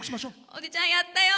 おじちゃん、やったよ！